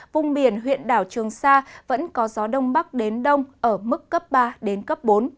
vùng biển huyện đảo trường sa vẫn có gió đông bắc đến đông ở mức cấp ba đến cấp bốn